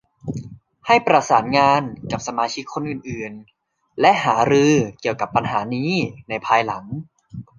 ให้ประสานงานกับสมาชิกคนอื่น ๆ และหารือเกี่ยวกับปัญหานี้ในภายหลัง